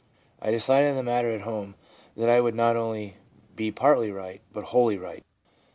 I decided the matter at home that I would not only be partly right, but wholly right/ (5.)